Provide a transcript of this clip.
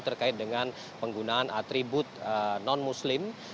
terkait dengan penggunaan atribut non muslim